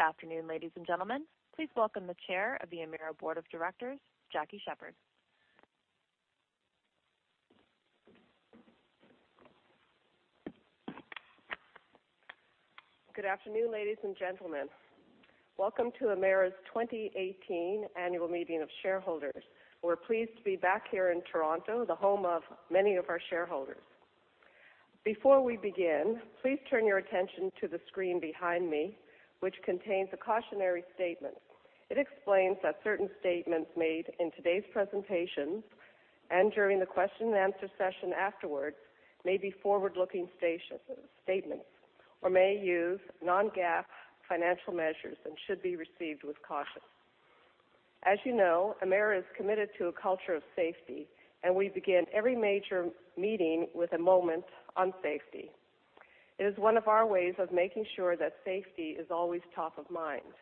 Good afternoon, ladies and gentlemen. Please welcome the Chair of the Emera Board of Directors, Jackie Sheppard. Good afternoon, ladies and gentlemen. Welcome to Emera's 2018 Annual Meeting of Shareholders. We're pleased to be back here in Toronto, the home of many of our shareholders. Before we begin, please turn your attention to the screen behind me, which contains a cautionary statement. It explains that certain statements made in today's presentation, and during the question and answer session afterwards, may be forward-looking statements or may use non-GAAP financial measures and should be received with caution. As you know, Emera is committed to a culture of safety, and we begin every major meeting with a moment on safety. It is one of our ways of making sure that safety is always top of mind.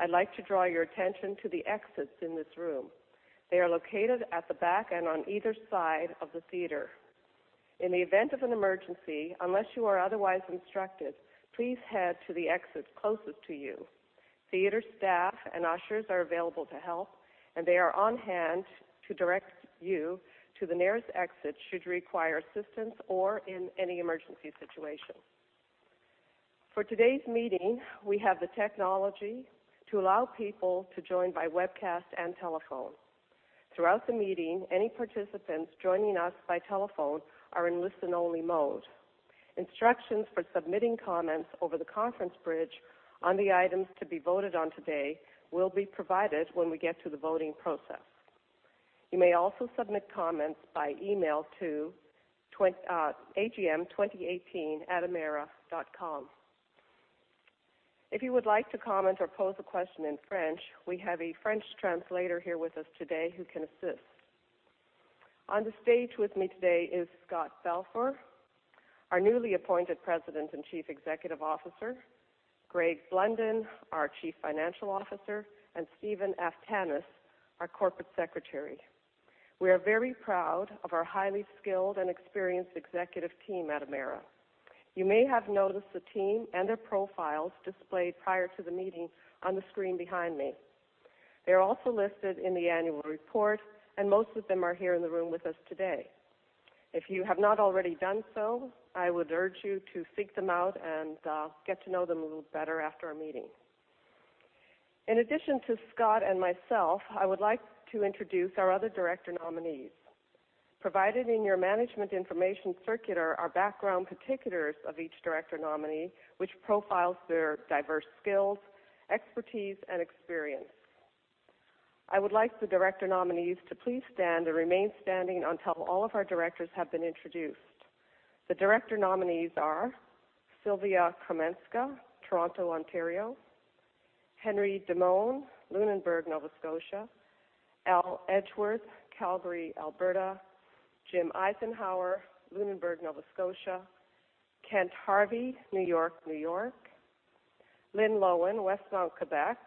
I'd like to draw your attention to the exits in this room. They are located at the back and on either side of the theater. In the event of an emergency, unless you are otherwise instructed, please head to the exit closest to you. Theater staff and ushers are available to help, and they are on hand to direct you to the nearest exit should you require assistance or in any emergency situation. For today's meeting, we have the technology to allow people to join by webcast and telephone. Throughout the meeting, any participants joining us by telephone are in listen-only mode. Instructions for submitting comments over the conference bridge on the items to be voted on today will be provided when we get to the voting process. You may also submit comments by email to agm2018@emera.com. If you would like to comment or pose a question in French, we have a French translator here with us today who can assist. On the stage with me today is Scott Balfour, our newly appointed President and Chief Executive Officer, Greg Blunden, our Chief Financial Officer, and Stephen Aftanas, our Corporate Secretary. We are very proud of our highly skilled and experienced executive team at Emera. You may have noticed the team and their profiles displayed prior to the meeting on the screen behind me. They're also listed in the annual report, and most of them are here in the room with us today. If you have not already done so, I would urge you to seek them out and get to know them a little better after our meeting. In addition to Scott and myself, I would like to introduce our other director nominees. Provided in your management information circular are background particulars of each director nominee, which profiles their diverse skills, expertise, and experience. I would like the director nominees to please stand and remain standing until all of our directors have been introduced. The director nominees are Sylvia Chrominska, Toronto, Ontario, Henry Demone, Lunenburg, Nova Scotia, Al Edgeworth, Calgary, Alberta, Jim Eisenhauer, Lunenburg, Nova Scotia, Kent Harvey, New York, New York, Lynn Loewen, Westmount, Quebec,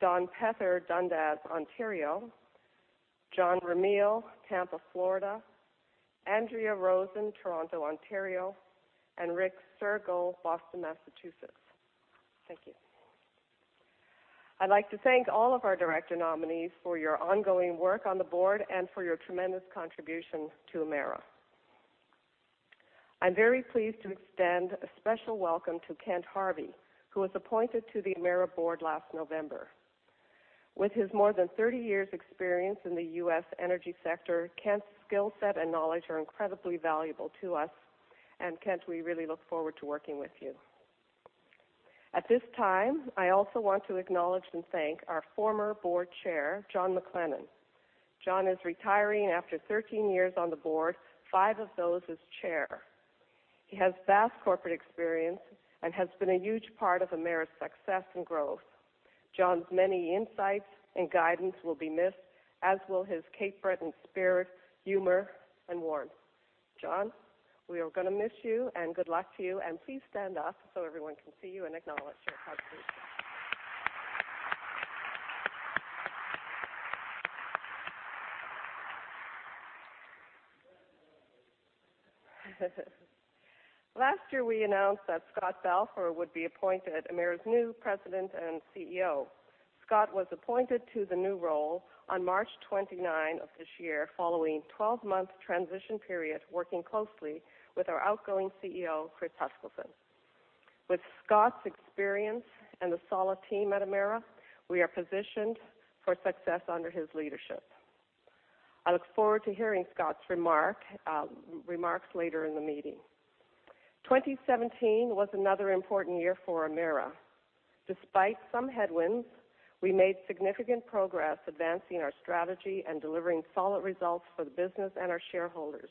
Don Pether, Dundas, Ontario, John Ramil, Tampa, Florida, Andrea Rosen, Toronto, Ontario, and Rick Sergel, Boston, Massachusetts. Thank you. I'd like to thank all of our director nominees for your ongoing work on the board and for your tremendous contribution to Emera. I'm very pleased to extend a special welcome to Kent Harvey, who was appointed to the Emera board last November. With his more than 30 years experience in the U.S. energy sector, Kent's skill set and knowledge are incredibly valuable to us. Kent, we really look forward to working with you. At this time, I also want to acknowledge and thank our former board chair, John McLennan. John is retiring after 13 years on the board, five of those as chair. He has vast corporate experience and has been a huge part of Emera's success and growth. John's many insights and guidance will be missed, as will his Cape Breton spirit, humor, and warmth. John, we are going to miss you and good luck to you, and please stand up so everyone can see you and acknowledge your contribution. Last year, we announced that Scott Balfour would be appointed Emera's new President and CEO. Scott was appointed to the new role on March 29 of this year, following a 12-month transition period, working closely with our outgoing CEO, Chris Huskilson. With Scott's experience and the solid team at Emera, we are positioned for success under his leadership. I look forward to hearing Scott's remarks later in the meeting. 2017 was another important year for Emera. Despite some headwinds, we made significant progress advancing our strategy and delivering solid results for the business and our shareholders.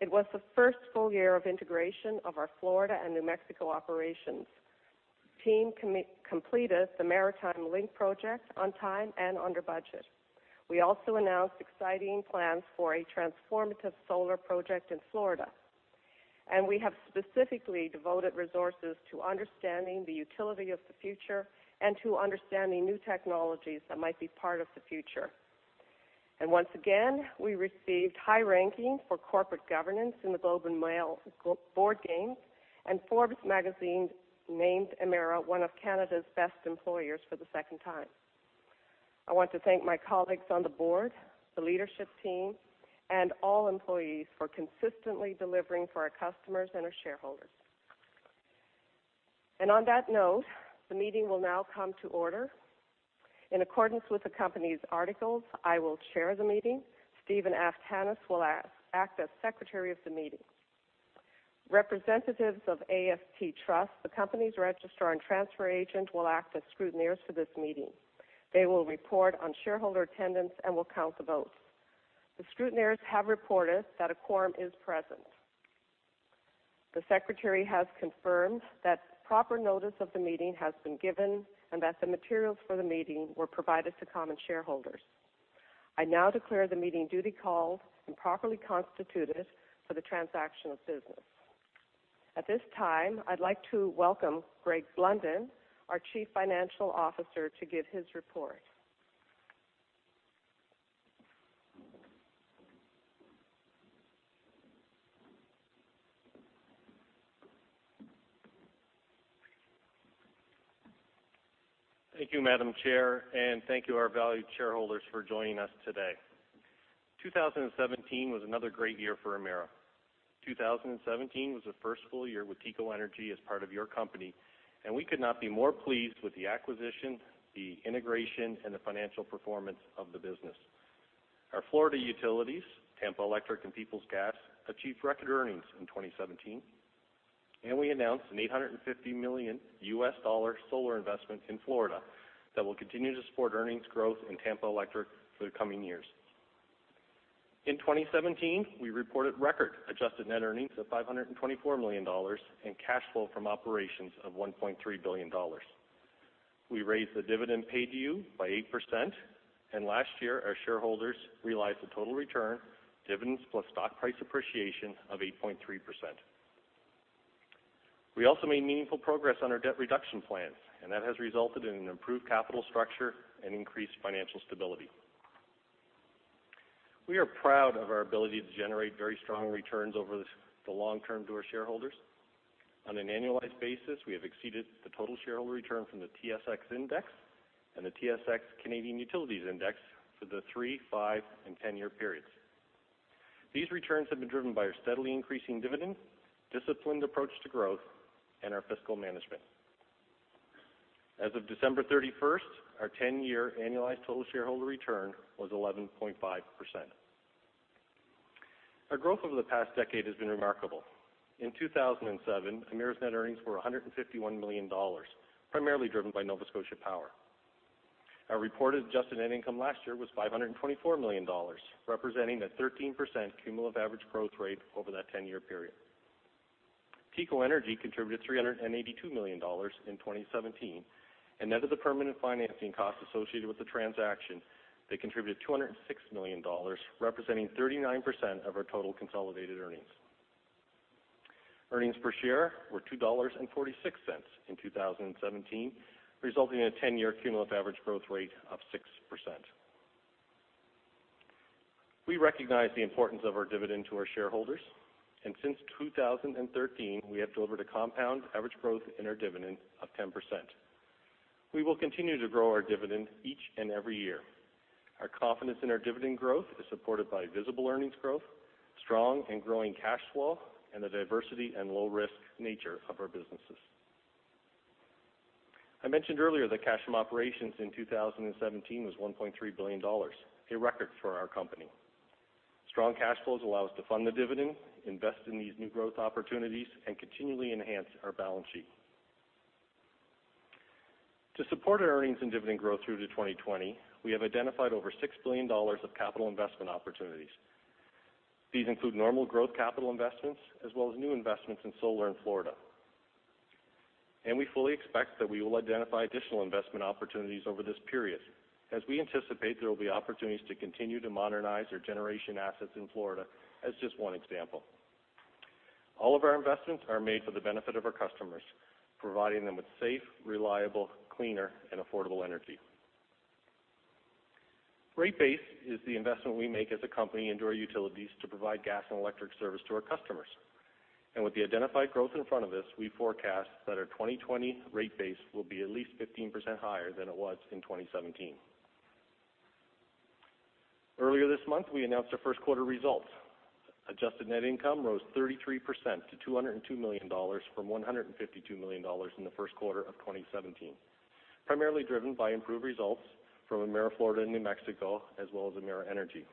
It was the first full year of integration of our Florida and New Mexico operations. The team completed the Maritime Link project on time and under budget. We also announced exciting plans for a transformative solar project in Florida, and we have specifically devoted resources to understanding the utility of the future and to understanding new technologies that might be part of the future. Once again, we received high ranking for corporate governance in the Globe and Mail Board Games, and Forbes magazine named Emera one of Canada's best employers for the second time. I want to thank my colleagues on the board, the leadership team, and all employees for consistently delivering for our customers and our shareholders. On that note, the meeting will now come to order. In accordance with the company's articles, I will chair the meeting. Stephen Aftanas will act as secretary of the meeting. Representatives of AST Trust, the company's registrar and transfer agent, will act as scrutineers for this meeting. They will report on shareholder attendance and will count the votes. The scrutineers have reported that a quorum is present. The secretary has confirmed that proper notice of the meeting has been given and that the materials for the meeting were provided to common shareholders. I now declare the meeting duly called and properly constituted for the transaction of business. At this time, I'd like to welcome Greg Blunden, our Chief Financial Officer, to give his report. Thank you, Madam Chair, and thank you our valued shareholders for joining us today. 2017 was another great year for Emera. 2017 was the first full year with TECO Energy as part of your company, and we could not be more pleased with the acquisition, the integration, and the financial performance of the business. Our Florida utilities, Tampa Electric and Peoples Gas, achieved record earnings in 2017, and we announced an $850 million U.S. dollar solar investment in Florida that will continue to support earnings growth in Tampa Electric for the coming years. In 2017, we reported record-adjusted net earnings of 524 million dollars and cash flow from operations of 1.3 billion dollars. We raised the dividend paid to you by 8%, and last year, our shareholders realized a total return, dividends plus stock price appreciation of 8.3%. We also made meaningful progress on our debt reduction plan, and that has resulted in an improved capital structure and increased financial stability. We are proud of our ability to generate very strong returns over the long term to our shareholders. On an annualized basis, we have exceeded the total shareholder return from the TSX index and the TSX Cap Utilities index for the three, five, and 10-year periods. These returns have been driven by our steadily increasing dividend, disciplined approach to growth, and our fiscal management. As of December 31st, our 10-year annualized total shareholder return was 11.5%. Our growth over the past decade has been remarkable. In 2007, Emera's net earnings were 151 million dollars, primarily driven by Nova Scotia Power. Our reported adjusted net income last year was 524 million dollars, representing a 13% cumulative average growth rate over that 10-year period. TECO Energy contributed 382 million dollars in 2017, and net of the permanent financing cost associated with the transaction, they contributed 206 million dollars, representing 39% of our total consolidated earnings. Earnings per share were 2.46 dollars in 2017, resulting in a 10-year cumulative average growth rate of 6%. We recognize the importance of our dividend to our shareholders, and since 2013, we have delivered a compound average growth in our dividend of 10%. We will continue to grow our dividend each and every year. Our confidence in our dividend growth is supported by visible earnings growth, strong and growing cash flow, and the diversity and low-risk nature of our businesses. I mentioned earlier that cash from operations in 2017 was 1.3 billion dollars, a record for our company. Strong cash flows allow us to fund the dividend, invest in these new growth opportunities, and continually enhance our balance sheet. To support our earnings and dividend growth through to 2020, we have identified over $6 billion of capital investment opportunities. These include normal growth capital investments, as well as new investments in solar in Florida. We fully expect that we will identify additional investment opportunities over this period, as we anticipate there will be opportunities to continue to modernize our generation assets in Florida as just one example. All of our investments are made for the benefit of our customers, providing them with safe, reliable, cleaner, and affordable energy. Rate base is the investment we make as a company into our utilities to provide gas and electric service to our customers. With the identified growth in front of us, we forecast that our 2020 rate base will be at least 15% higher than it was in 2017. Earlier this month, we announced our first quarter results. Adjusted net income rose 33% to 202 million dollars from 152 million dollars in the first quarter of 2017, primarily driven by improved results from Emera Florida and New Mexico, as well as Emera Energy.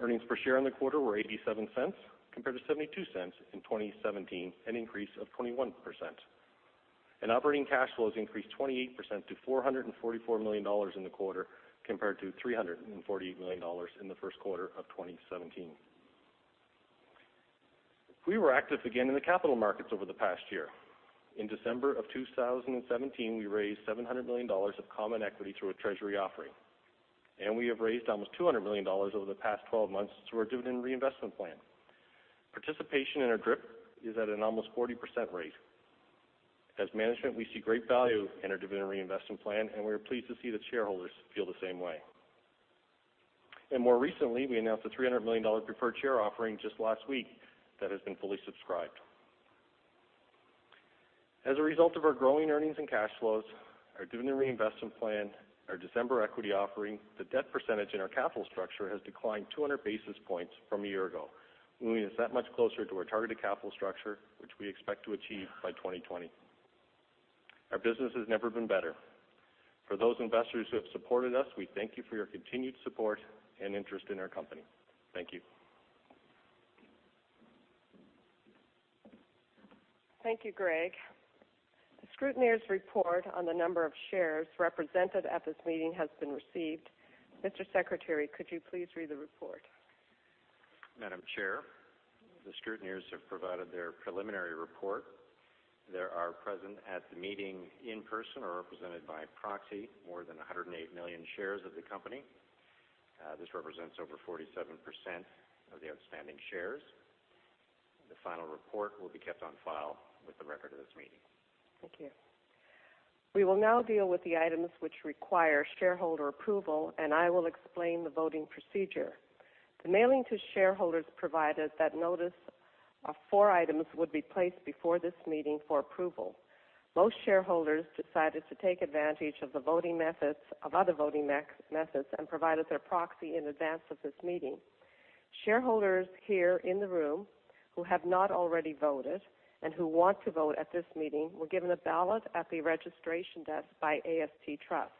Earnings per share in the quarter were 0.87 compared to 0.72 in 2017, an increase of 21%. Operating cash flows increased 28% to 444 million dollars in the quarter, compared to 348 million dollars in the first quarter of 2017. We were active again in the capital markets over the past year. In December of 2017, we raised 700 million dollars of common equity through a treasury offering, and we have raised almost 200 million dollars over the past 12 months through our dividend reinvestment plan. Participation in our DRIP is at an almost 40% rate. As management, we see great value in our dividend reinvestment plan, and we are pleased to see that shareholders feel the same way. More recently, we announced a 300 million dollar preferred share offering just last week that has been fully subscribed. As a result of our growing earnings and cash flows, our dividend reinvestment plan, our December equity offering, the debt percentage in our capital structure has declined 200 basis points from a year ago, moving us that much closer to our targeted capital structure, which we expect to achieve by 2020. Our business has never been better. For those investors who have supported us, we thank you for your continued support and interest in our company. Thank you. Thank you, Greg. The scrutineer's report on the number of shares represented at this meeting has been received. Mr. Secretary, could you please read the report? Madam Chair, the scrutineers have provided their preliminary report. There are present at the meeting in person or represented by proxy, more than 108 million shares of the company. This represents over 47% of the outstanding shares. The final report will be kept on file with the record of this meeting. Thank you. We will now deal with the items which require shareholder approval, and I will explain the voting procedure. The mailing to shareholders provided that notice of four items would be placed before this meeting for approval. Most shareholders decided to take advantage of other voting methods and provided their proxy in advance of this meeting. Shareholders here in the room who have not already voted and who want to vote at this meeting were given a ballot at the registration desk by AST Trust.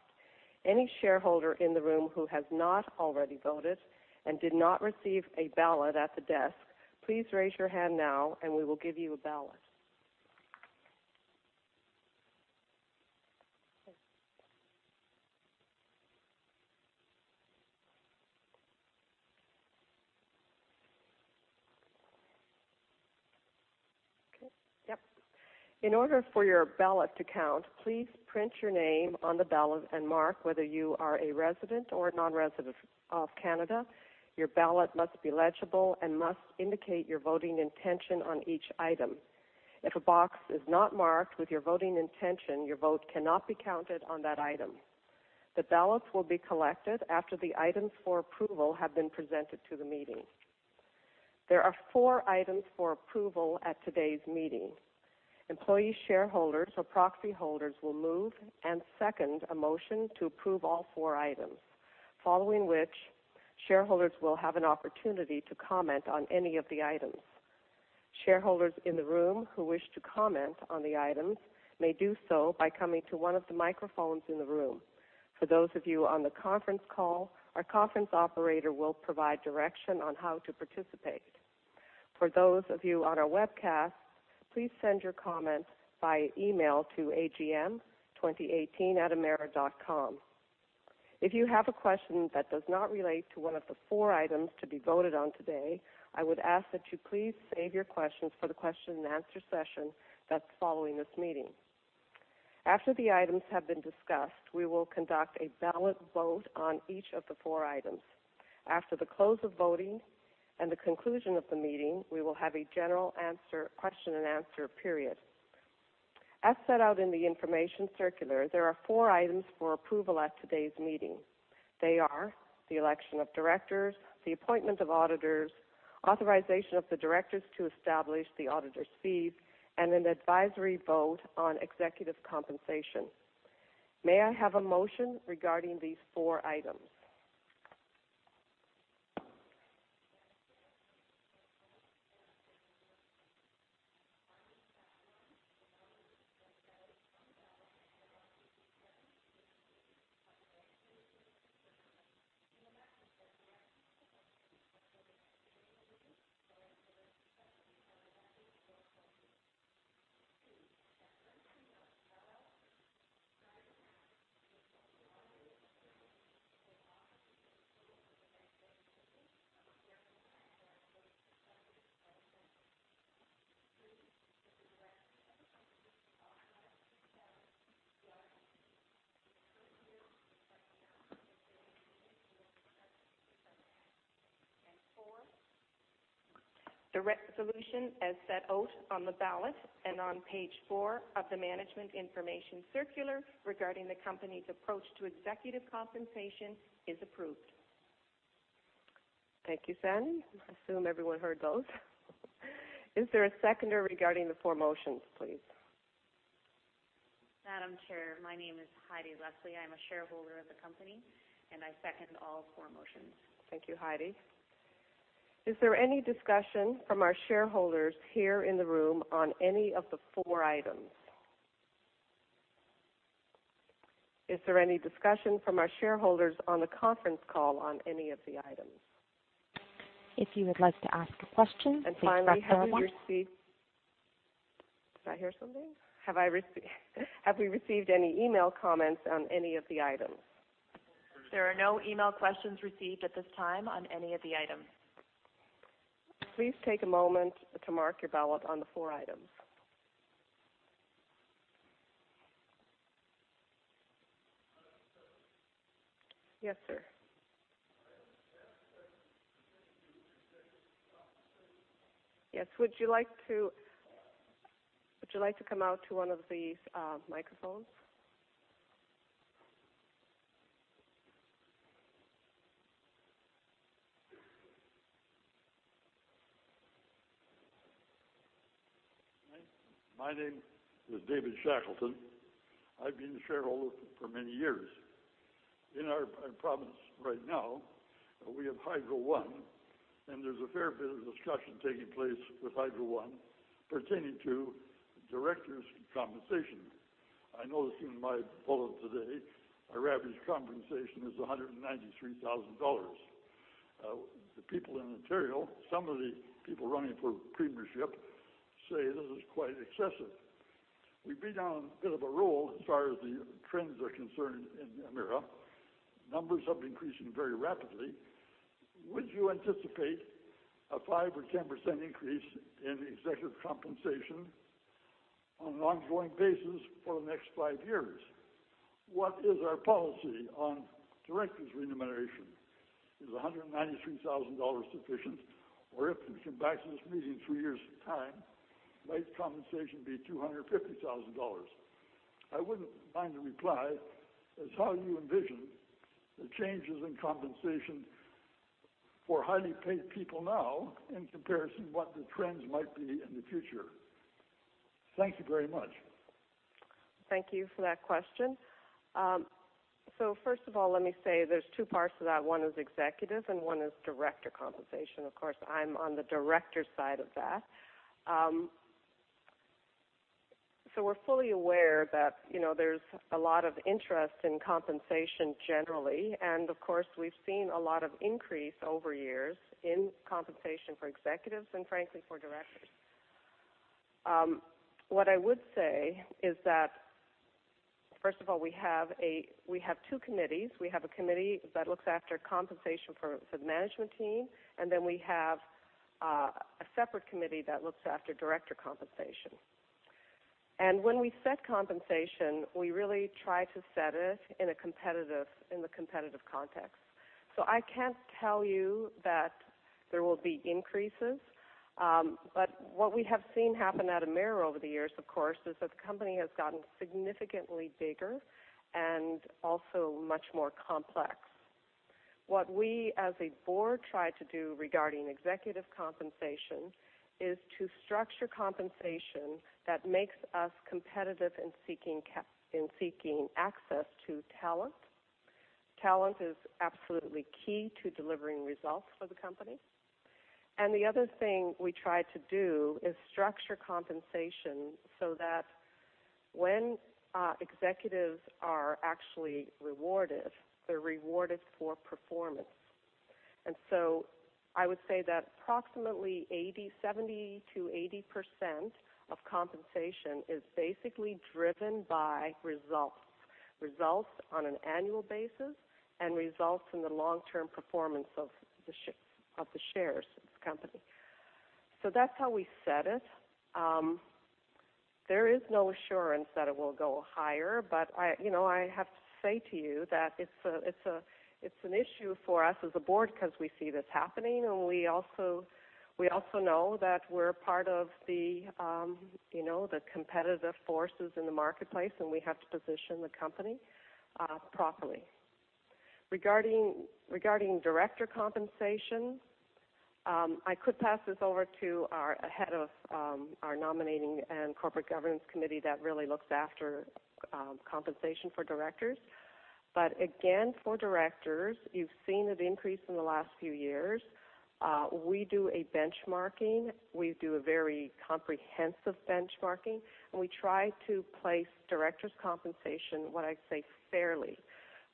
Any shareholder in the room who has not already voted and did not receive a ballot at the desk, please raise your hand now, and we will give you a ballot. Okay. Yep. In order for your ballot to count, please print your name on the ballot and mark whether you are a resident or non-resident of Canada. Your ballot must be legible and must indicate your voting intention on each item. If a box is not marked with your voting intention, your vote cannot be counted on that item. The ballots will be collected after the items for approval have been presented to the meeting. There are four items for approval at today's meeting. Employee shareholders or proxy holders will move and second a motion to approve all four items, following which, shareholders will have an opportunity to comment on any of the items. Shareholders in the room who wish to comment on the items may do so by coming to one of the microphones in the room. For those of you on the conference call, our conference operator will provide direction on how to participate. For those of you on our webcast, please send your comments via email to agm2018@emera.com. If you have a question that does not relate to one of the four items to be voted on today, I would ask that you please save your questions for the question and answer session that's following this meeting. After the items have been discussed, we will conduct a ballot vote on each of the four items. After the close of voting and the conclusion of the meeting, we will have a general question and answer period. As set out in the information circular, there are four items for approval at today's meeting. They are the election of directors, the appointment of auditors, authorization of the directors to establish the auditors' fees, and an advisory vote on executive compensation. May I have a motion regarding these four items? The resolution, as set out on the ballot and on page four of the management information circular regarding the company's approach to executive compensation, is approved. Thank you, Sandy. I assume everyone heard those. Is there a seconder regarding the four motions, please? Madam Chair, my name is Heidi Leslie. I'm a shareholder of the company, and I second all four motions. Thank you, Heidi. Is there any discussion from our shareholders here in the room on any of the four items? Is there any discussion from our shareholders on the conference call on any of the items? If you would like to ask a question, please press star one. Did I hear something? Have we received any email comments on any of the items? There are no email questions received at this time on any of the items. Please take a moment to mark your ballot on the four items. Yes, sir. Yes. Would you like to come out to one of these microphones? My name is David Shackleton. I've been a shareholder for many years. In our province right now, we have Hydro One, and there's a fair bit of discussion taking place with Hydro One pertaining to directors' compensation. I noticed in my bulletin today our average compensation is 193,000 dollars. The people in Ontario, some of the people running for premiership, say this is quite excessive. We've been on a bit of a roll as far as the trends are concerned in Emera. Numbers have been increasing very rapidly. Would you anticipate a 5% or 10% increase in executive compensation on an ongoing basis for the next five years? What is our policy on directors' remuneration? Is 193,000 dollars sufficient? Or if we come back to this meeting in three years' time, might compensation be 250,000 dollars? I wouldn't mind a reply as how you envision the changes in compensation for highly paid people now in comparison to what the trends might be in the future? Thank you very much. Thank you for that question. First of all, let me say there's two parts to that. One is executive, and one is director compensation. Of course, I'm on the director side of that. We're fully aware that there's a lot of interest in compensation generally, and of course, we've seen a lot of increase over years in compensation for executives and frankly, for directors. What I would say is that, first of all, we have two committees. We have a committee that looks after compensation for the management team, and then we have a separate committee that looks after director compensation. When we set compensation, we really try to set it in the competitive context. I can't tell you that there will be increases. What we have seen happen at Emera over the years, of course, is that the company has gotten significantly bigger and also much more complex. What we as a board try to do regarding executive compensation is to structure compensation that makes us competitive in seeking access to talent. Talent is absolutely key to delivering results for the company. The other thing we try to do is structure compensation so that when executives are actually rewarded, they're rewarded for performance. I would say that approximately 70%-80% of compensation is basically driven by results. Results on an annual basis, and results in the long-term performance of the shares of the company. That's how we set it. There is no assurance that it will go higher, but I have to say to you that it's an issue for us as a board because we see this happening, and we also know that we're part of the competitive forces in the marketplace, and we have to position the company properly. Regarding director compensation, I could pass this over to our head of our nominating and corporate governance committee that really looks after compensation for directors. Again, for directors, you've seen it increase in the last few years. We do a benchmarking. We do a very comprehensive benchmarking, and we try to place directors' compensation, what I'd say, fairly.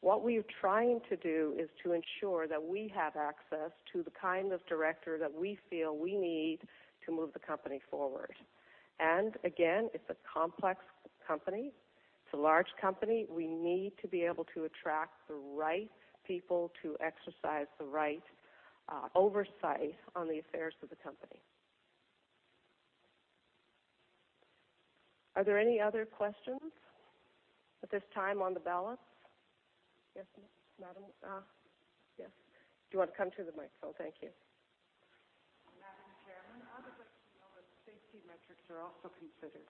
What we are trying to do is to ensure that we have access to the kind of director that we feel we need to move the company forward. Again, it's a complex company. It's a large company. We need to be able to attract the right people to exercise the right oversight on the affairs of the company. Are there any other questions at this time on the ballot? Yes, Madam. Yes. Do you want to come to the microphone? Thank you. Madam Chairman, I would like to know if safety metrics are also considered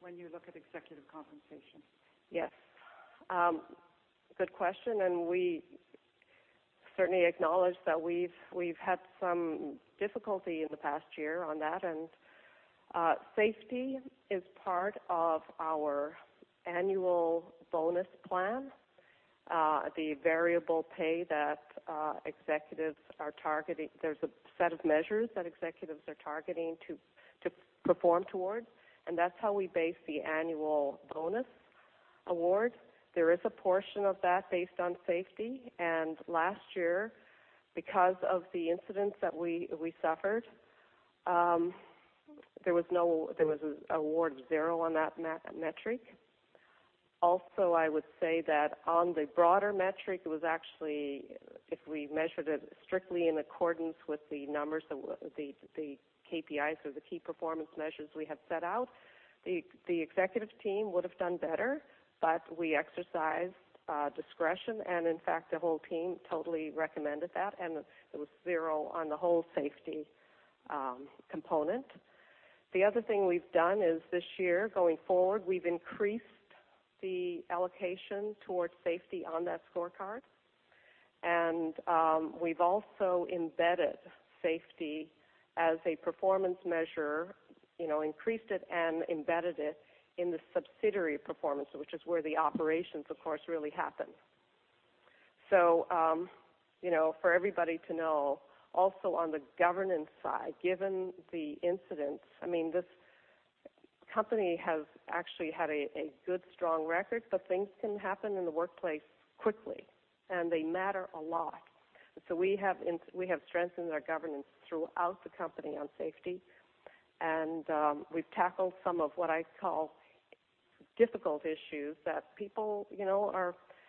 when you look at executive compensation? Yes. Good question, and we certainly acknowledge that we've had some difficulty in the past year on that, and safety is part of our annual bonus plan, the variable pay that executives are targeting. There's a set of measures that executives are targeting to perform towards, and that's how we base the annual bonus award. There is a portion of that based on safety, and last year, because of the incidents that we suffered, there was award zero on that metric. Also, I would say that on the broader metric, if we measured it strictly in accordance with the numbers, the KPIs or the key performance measures we have set out, the executive team would have done better, but we exercised discretion and in fact, the whole team totally recommended that, and it was zero on the whole safety component. The other thing we've done is this year going forward, we've increased the allocation towards safety on that scorecard. We've also embedded safety as a performance measure, increased it and embedded it in the subsidiary performance, which is where the operations, of course, really happen. For everybody to know, also on the governance side, given the incidents, this company has actually had a good, strong record, but things can happen in the workplace quickly, and they matter a lot. We have strengthened our governance throughout the company on safety, and we've tackled some of what I call difficult issues that people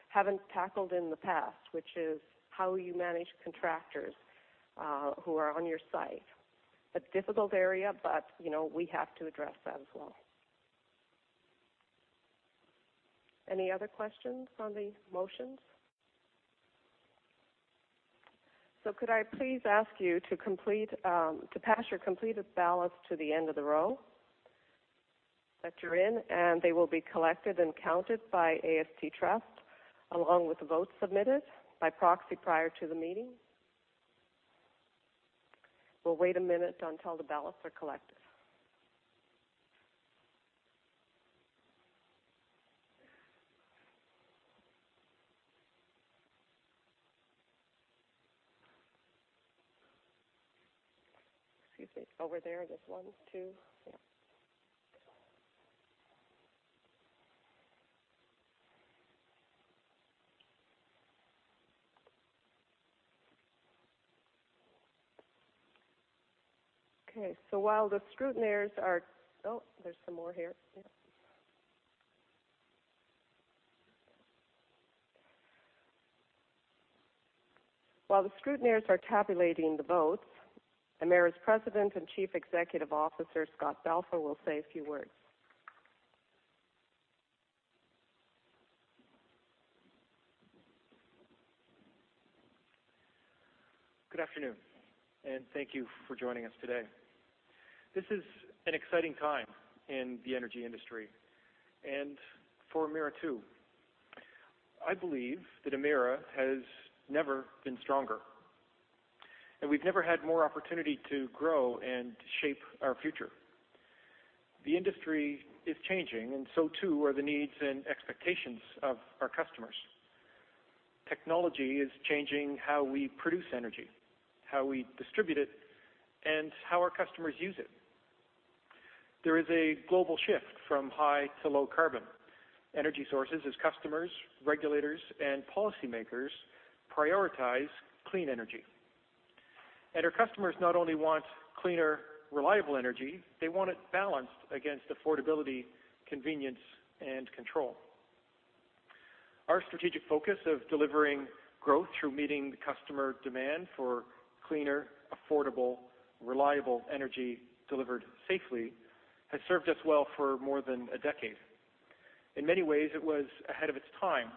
haven't tackled in the past, which is how you manage contractors who are on your site. A difficult area, but we have to address that as well. Any other questions on the motions? Could I please ask you to pass your completed ballots to the end of the row that you're in, and they will be collected and counted by AST Trust, along with the votes submitted by proxy prior to the meeting. We'll wait a minute until the ballots are collected. Excuse me. Over there's one too. Yeah. Okay, while the scrutineers are tabulating the votes, Emera's President and Chief Executive Officer, Scott Balfour, will say a few words. Good afternoon, and thank you for joining us today. This is an exciting time in the energy industry and for Emera, too. I believe that Emera has never been stronger, and we've never had more opportunity to grow and shape our future. The industry is changing, and so too are the needs and expectations of our customers. Technology is changing how we produce energy, how we distribute it, and how our customers use it. There is a global shift from high to low carbon energy sources as customers, regulators, and policymakers prioritize clean energy. Our customers not only want cleaner, reliable energy, they want it balanced against affordability, convenience, and control. Our strategic focus of delivering growth through meeting the customer demand for cleaner, affordable, reliable energy delivered safely has served us well for more than a decade. In many ways, it was ahead of its time,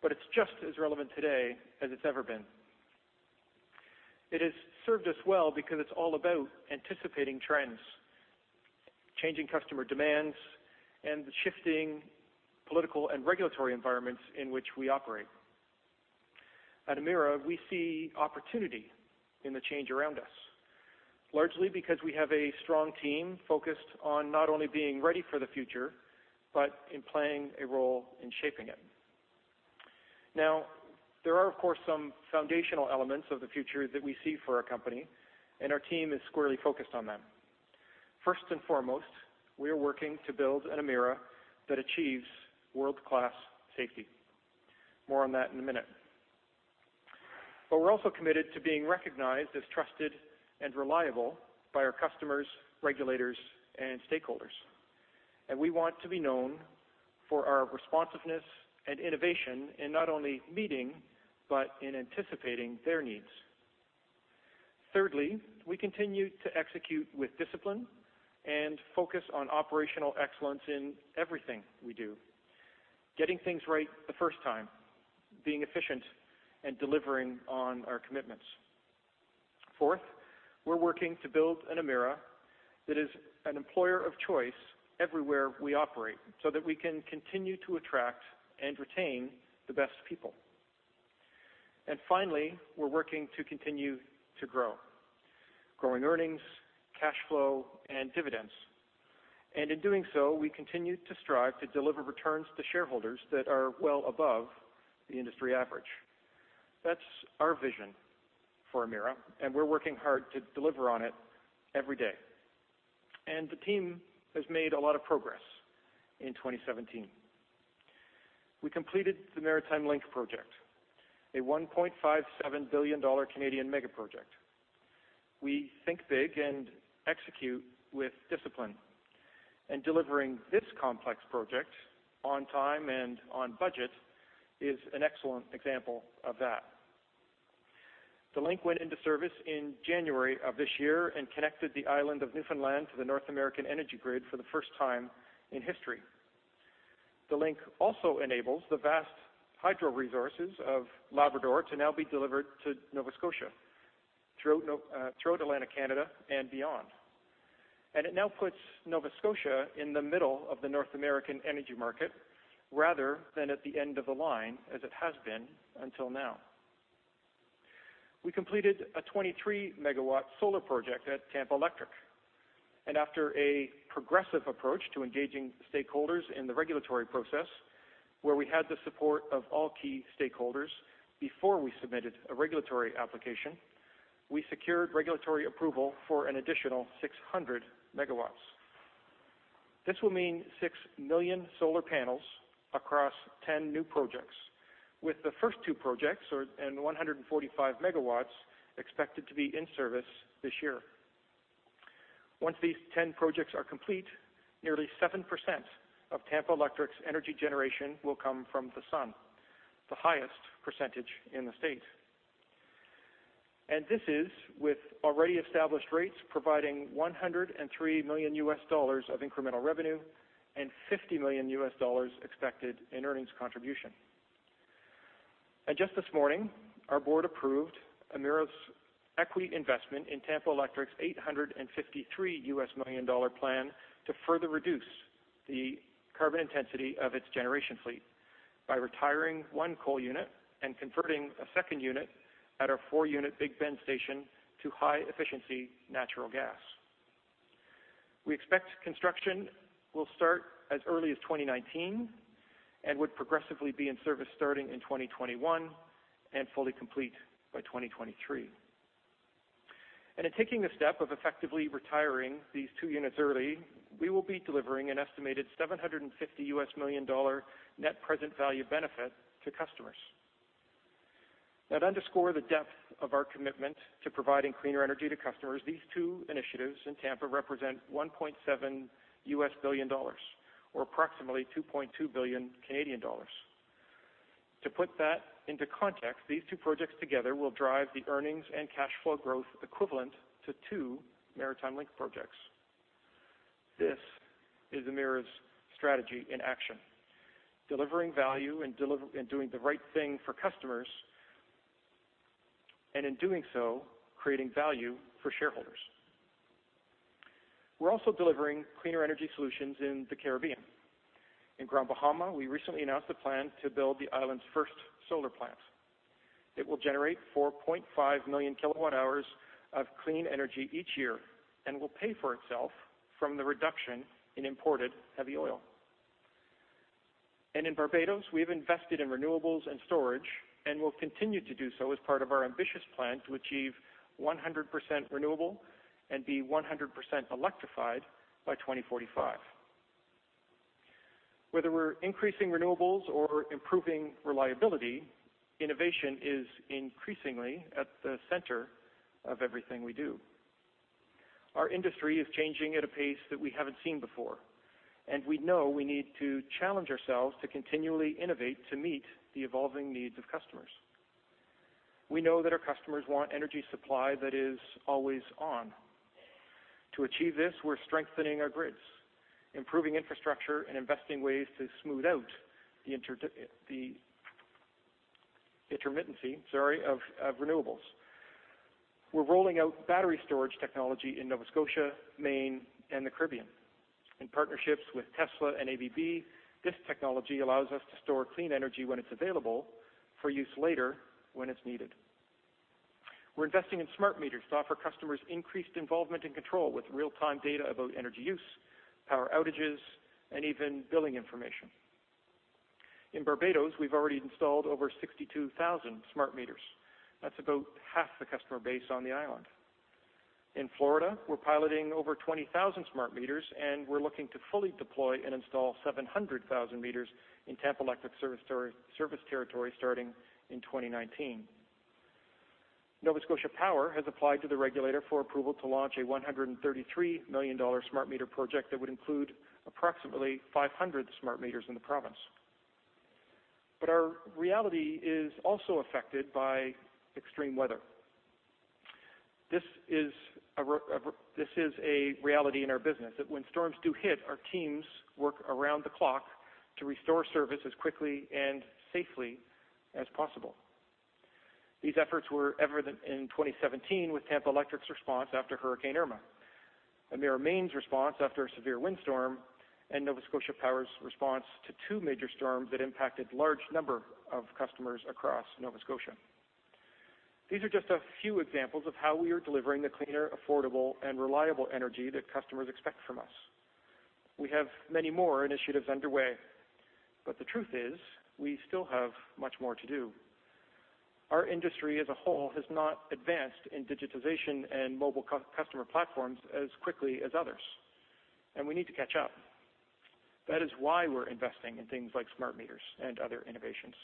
but it's just as relevant today as it's ever been. It has served us well because it's all about anticipating trends, changing customer demands, and the shifting political and regulatory environments in which we operate. At Emera, we see opportunity in the change around us, largely because we have a strong team focused on not only being ready for the future, but in playing a role in shaping it. Now, there are, of course, some foundational elements of the future that we see for our company, and our team is squarely focused on them. First and foremost, we are working to build an Emera that achieves world-class safety. More on that in a minute. We're also committed to being recognized as trusted and reliable by our customers, regulators, and stakeholders. We want to be known for our responsiveness and innovation in not only meeting, but in anticipating their needs. Thirdly, we continue to execute with discipline and focus on operational excellence in everything we do, getting things right the first time, being efficient, and delivering on our commitments. Fourth, we're working to build an Emera that is an employer of choice everywhere we operate so that we can continue to attract and retain the best people. Finally, we're working to continue to grow earnings, cash flow, and dividends. In doing so, we continue to strive to deliver returns to shareholders that are well above the industry average. That's our vision for Emera, and we're working hard to deliver on it every day. The team has made a lot of progress in 2017. We completed the Maritime Link project, a 1.57 billion Canadian dollars Canadian mega project. We think big and execute with discipline. Delivering this complex project on time and on budget is an excellent example of that. The link went into service in January of this year and connected the island of Newfoundland to the North American energy grid for the first time in history. The link also enables the vast hydro resources of Labrador to now be delivered to Nova Scotia, throughout Atlantic Canada, and beyond. It now puts Nova Scotia in the middle of the North American energy market rather than at the end of the line, as it has been until now. We completed a 23-MW solar project at Tampa Electric. After a progressive approach to engaging stakeholders in the regulatory process, where we had the support of all key stakeholders before we submitted a regulatory application, we secured regulatory approval for an additional 600 MW. This will mean six million solar panels across 10 new projects, with the first two projects and 145 MW expected to be in service this year. Once these 10 projects are complete, nearly 7% of Tampa Electric's energy generation will come from the sun, the highest percentage in the state. This is with already established rates providing $103 million of incremental revenue and $50 million expected in earnings contribution. Just this morning, our board approved Emera's equity investment in Tampa Electric's $853 million plan to further reduce the carbon intensity of its generation fleet by retiring one coal unit and converting a second unit at our four-unit Big Bend station to high-efficiency natural gas. We expect construction will start as early as 2019 and would progressively be in service starting in 2021 and fully complete by 2023. In taking the step of effectively retiring these two units early, we will be delivering an estimated $750 million net present value benefit to customers. Now, to underscore the depth of our commitment to providing cleaner energy to customers, these two initiatives in Tampa represent $1.7 billion or approximately 2.2 billion Canadian dollars. To put that into context, these two projects together will drive the earnings and cash flow growth equivalent to two Maritime Link projects. This is Emera's strategy in action, delivering value and doing the right thing for customers, and in doing so, creating value for shareholders. We're also delivering cleaner energy solutions in the Caribbean. In Grand Bahama, we recently announced a plan to build the island's first solar plant. It will generate 4.5 million kWh-hours of clean energy each year and will pay for itself from the reduction in imported heavy oil. In Barbados, we've invested in renewables and storage and will continue to do so as part of our ambitious plan to achieve 100% renewable and be 100% electrified by 2045. Whether we're increasing renewables or improving reliability, innovation is increasingly at the center of everything we do. Our industry is changing at a pace that we haven't seen before, and we know we need to challenge ourselves to continually innovate to meet the evolving needs of customers. We know that our customers want energy supply that is always on. To achieve this, we're strengthening our grids, improving infrastructure, and investing in ways to smooth out the intermittency of renewables. We're rolling out battery storage technology in Nova Scotia, Maine, and the Caribbean. In partnership with Tesla and ABB, this technology allows us to store clean energy when it's available for use later when it's needed. We're investing in smart meters to offer customers increased involvement and control with real-time data about energy use, power outages, and even billing information. In Barbados, we've already installed over 62,000 smart meters. That's about half the customer base on the island. In Florida, we're piloting over 20,000 smart meters, and we're looking to fully deploy and install 700,000 meters in Tampa Electric service territory starting in 2019. Nova Scotia Power has applied to the regulator for approval to launch a CAD 133 million smart meter project that would include approximately 500 smart meters in the province. Our reality is also affected by extreme weather. This is a reality in our business, that when storms do hit, our teams work around the clock to restore service as quickly and safely as possible. These efforts were evident in 2017 with Tampa Electric's response after Hurricane Irma, Emera Maine's response after a severe windstorm, and Nova Scotia Power's response to two major storms that impacted large number of customers across Nova Scotia. These are just a few examples of how we are delivering the cleaner, affordable, and reliable energy that customers expect from us. We have many more initiatives underway, but the truth is, we still have much more to do. Our industry as a whole has not advanced in digitization and mobile customer platforms as quickly as others, and we need to catch up. That is why we're investing in things like smart meters and other innovations.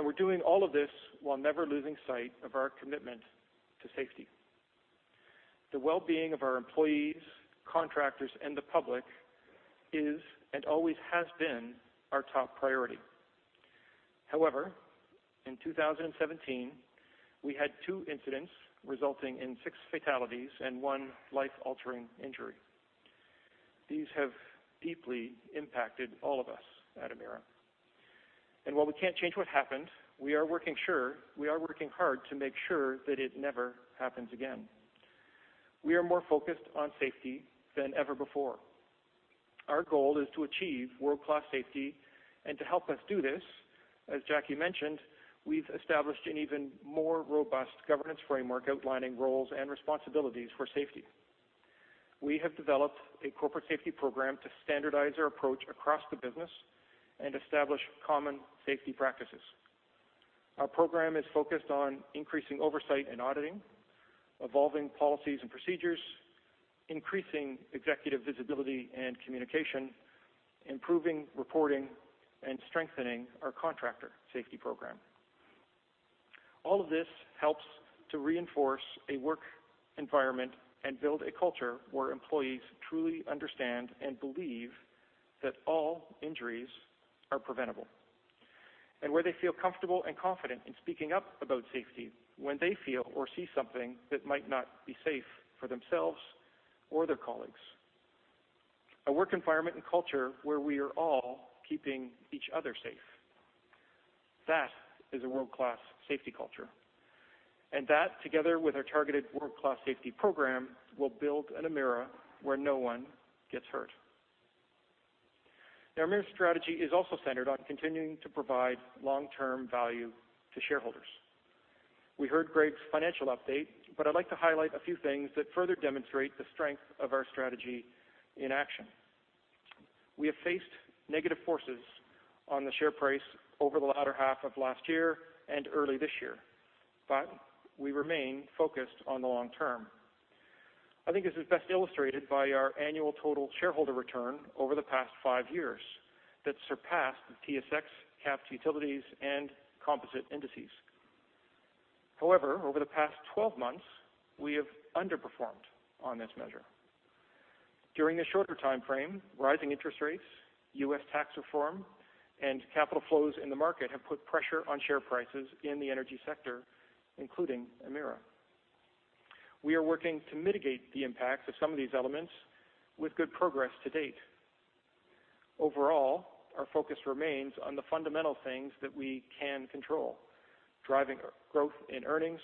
We're doing all of this while never losing sight of our commitment to safety. The well-being of our employees, contractors, and the public is, and always has been, our top priority. However, in 2017, we had two incidents resulting in six fatalities and one life-altering injury. These have deeply impacted all of us at Emera. While we can't change what happened, we are working hard to make sure that it never happens again. We are more focused on safety than ever before. Our goal is to achieve world-class safety and to help us do this, as Jackie mentioned, we've established an even more robust governance framework outlining roles and responsibilities for safety. We have developed a corporate safety program to standardize our approach across the business and establish common safety practices. Our program is focused on increasing oversight and auditing, evolving policies and procedures, increasing executive visibility and communication, improving reporting, and strengthening our contractor safety program. All of this helps to reinforce a work environment and build a culture where employees truly understand and believe that all injuries are preventable. Where they feel comfortable and confident in speaking up about safety when they feel or see something that might not be safe for themselves or their colleagues. A work environment and culture where we are all keeping each other safe. That is a world-class safety culture, and that, together with our targeted world-class safety program, will build an Emera where no one gets hurt. The Emera strategy is also centered on continuing to provide long-term value to shareholders. We heard Greg's financial update, but I'd like to highlight a few things that further demonstrate the strength of our strategy in action. We have faced negative forces on the share price over the latter half of last year and early this year, but we remain focused on the long term. I think this is best illustrated by our annual total shareholder return over the past five years that surpassed the TSX Cap Utilities and Composite Indices. However, over the past 12 months, we have underperformed on this measure. During this shorter timeframe, rising interest rates, U.S. tax reform, and capital flows in the market have put pressure on share prices in the energy sector, including Emera. We are working to mitigate the impact of some of these elements with good progress to date. Overall, our focus remains on the fundamental things that we can control, driving growth in earnings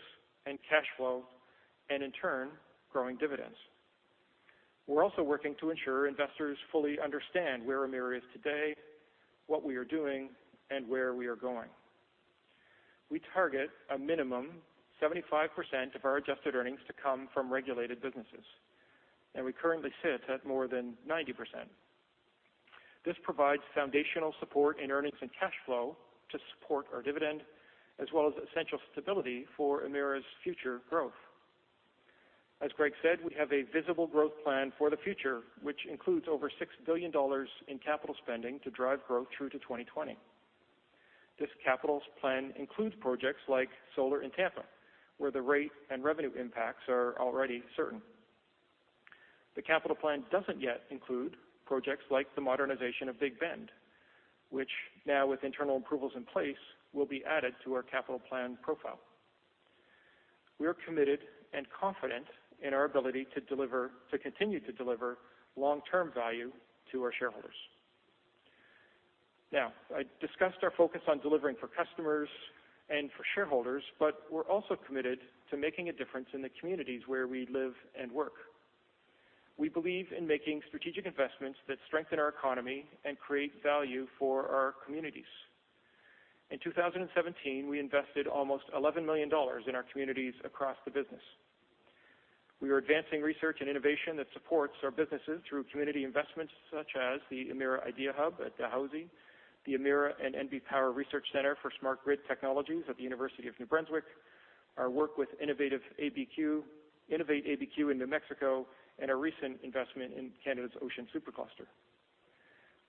and cash flow, and in turn, growing dividends. We're also working to ensure investors fully understand where Emera is today, what we are doing, and where we are going. We target a minimum 75% of our adjusted earnings to come from regulated businesses, and we currently sit at more than 90%. This provides foundational support in earnings and cash flow to support our dividend, as well as essential stability for Emera's future growth. As Greg said, we have a visible growth plan for the future, which includes over $6 billion in capital spending to drive growth through to 2020. This capital plan includes projects like solar in Tampa, where the rate and revenue impacts are already certain. The capital plan doesn't yet include projects like the modernization of Big Bend, which now with internal approvals in place, will be added to our capital plan profile. We are committed and confident in our ability to continue to deliver long-term value to our shareholders. Now, I discussed our focus on delivering for customers and for shareholders, but we're also committed to making a difference in the communities where we live and work. We believe in making strategic investments that strengthen our economy and create value for our communities. In 2017, we invested almost $11 million in our communities across the business. We are advancing research and innovation that supports our businesses through community investments such as the Emera ideaHUB at Dalhousie, the Emera and NB Power Research Center for Smart Grid Technologies at the University of New Brunswick, our work with Innovate ABQ in New Mexico, and our recent investment in Canada's Ocean Supercluster.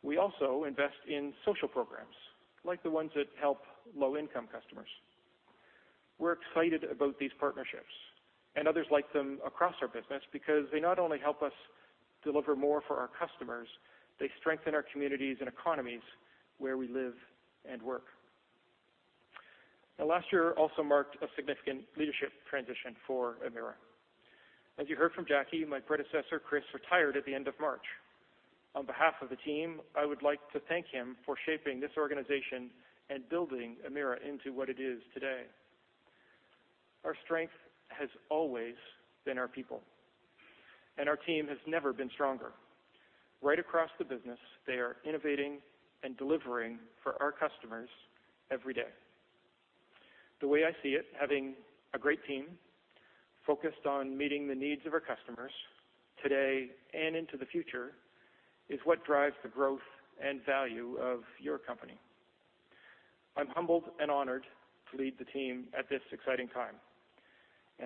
We also invest in social programs like the ones that help low-income customers. We're excited about these partnerships and others like them across our business because they not only help us deliver more for our customers, they strengthen our communities and economies where we live and work. Now, last year also marked a significant leadership transition for Emera. As you heard from Jackie, my predecessor, Chris, retired at the end of March. On behalf of the team, I would like to thank him for shaping this organization and building Emera into what it is today. Our strength has always been our people, and our team has never been stronger. Right across the business, they are innovating and delivering for our customers every day. The way I see it, having a great team focused on meeting the needs of our customers today and into the future is what drives the growth and value of your company. I'm humbled and honored to lead the team at this exciting time.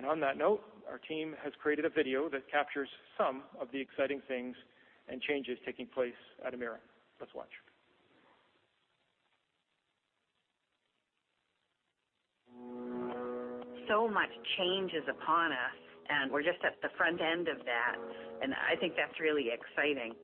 On that note, our team has created a video that captures some of the exciting things and changes taking place at Emera. Let's watch. Much change is upon us, and we're just at the front end of that, and I think that's really exciting.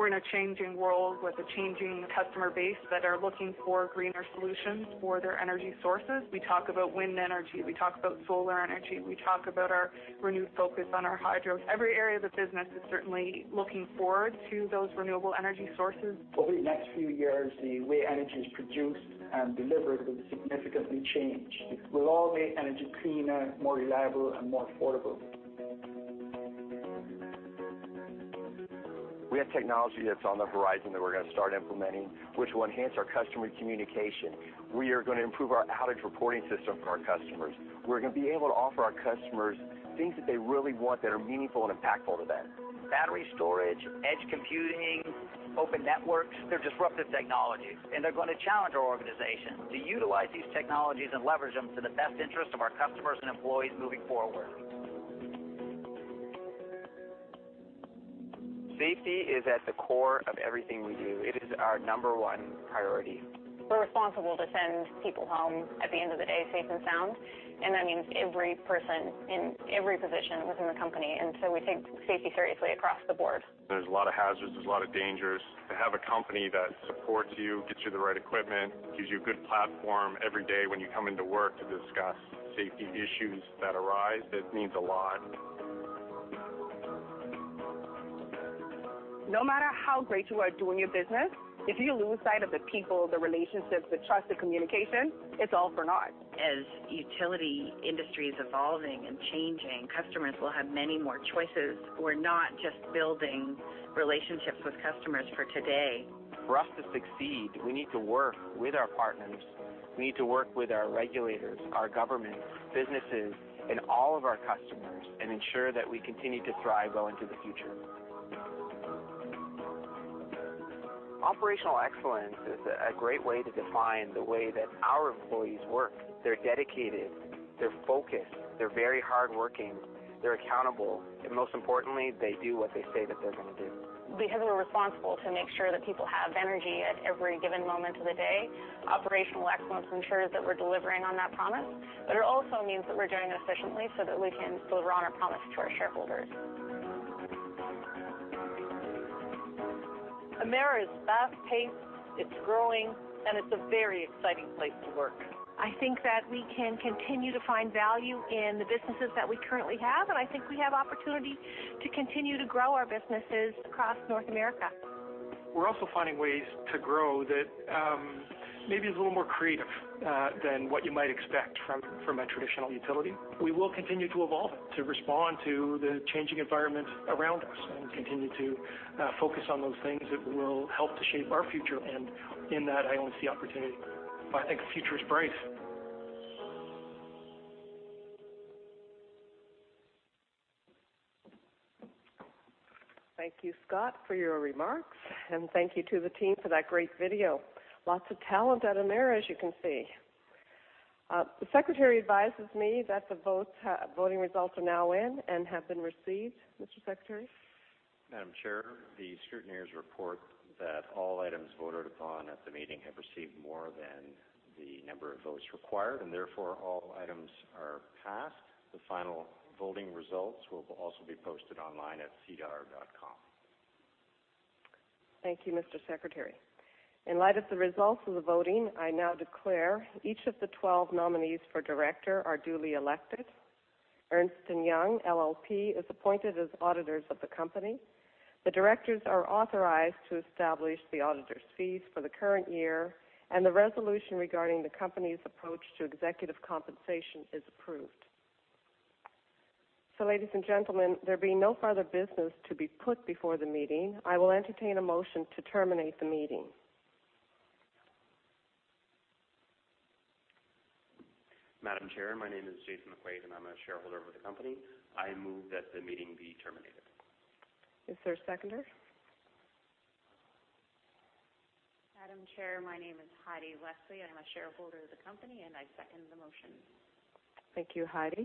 We're in a changing world with a changing customer base that are looking for greener solutions for their energy sources. We talk about wind energy, we talk about solar energy, we talk about our renewed focus on our hydro. Every area of the business is certainly looking forward to those renewable energy sources. Over the next few years, the way energy is produced and delivered will significantly change. It will all make energy cleaner, more reliable, and more affordable. We have technology that's on the horizon that we're going to start implementing, which will enhance our customer communication. We are going to improve our outage reporting system for our customers. We're going to be able to offer our customers things that they really want that are meaningful and impactful to them. Battery storage, edge computing, open networks. They're disruptive technologies, and they're going to challenge our organization to utilize these technologies and leverage them for the best interest of our customers and employees moving forward. Safety is at the core of everything we do. It is our number one priority. We're responsible to send people home at the end of the day, safe and sound, and that means every person in every position within the company. We take safety seriously across the board. There's a lot of hazards, there's a lot of dangers. To have a company that supports you, gets you the right equipment, gives you a good platform every day when you come into work to discuss safety issues that arise, it means a lot. No matter how great you are doing your business, if you lose sight of the people, the relationships, the trust, the communication, it's all for naught. As the utility industry is evolving and changing, customers will have many more choices. We're not just building relationships with customers for today. For us to succeed, we need to work with our partners. We need to work with our regulators, our government, businesses, and all of our customers and ensure that we continue to thrive well into the future. Operational excellence is a great way to define the way that our employees work. They're dedicated, they're focused, they're very hardworking. They're accountable, and most importantly, they do what they say that they're going to do. Because we're responsible to make sure that people have energy at every given moment of the day, operational excellence ensures that we're delivering on that promise, but it also means that we're doing it efficiently so that we can deliver on our promise to our shareholders. Emera is fast-paced, it's growing, and it's a very exciting place to work. I think that we can continue to find value in the businesses that we currently have, and I think we have opportunity to continue to grow our businesses across North America. We're also finding ways to grow that may be a little more creative than what you might expect from a traditional utility. We will continue to evolve to respond to the changing environment around us and continue to focus on those things that will help to shape our future. In that, I only see opportunity. I think the future is bright. Thank you, Scott, for your remarks, and thank you to the team for that great video. Lots of talent at Emera, as you can see. The secretary advises me that the voting results are now in and have been received. Mr. Secretary? Madam Chair, the scrutineers report that all items voted upon at the meeting have received more than the number of votes required, and therefore all items are passed. The final voting results will also be posted online at sedar.com. Thank you, Mr. Secretary. In light of the results of the voting, I now declare each of the 12 nominees for director are duly elected. Ernst & Young LLP is appointed as auditors of the company. The directors are authorized to establish the auditors' fees for the current year, and the resolution regarding the company's approach to executive compensation is approved. Ladies and gentlemen, there being no further business to be put before the meeting, I will entertain a motion to terminate the meeting. Madam Chair, my name is Jason McQuaid, and I'm a shareholder of the company. I move that the meeting be terminated. Is there a seconder? Madam Chair, my name is Heidi Leslie. I'm a shareholder of the company, and I second the motion. Thank you, Heidi.